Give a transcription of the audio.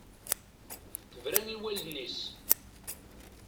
Tebra i wallen-is.